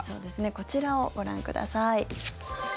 こちらをご覧ください。